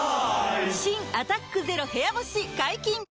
新「アタックＺＥＲＯ部屋干し」解禁‼